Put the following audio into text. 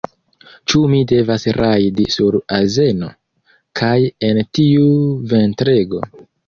Ĉu mi devas rajdi sur azeno? kaj en tiu ventrego?